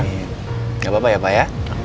tidak apa apa ya pak ya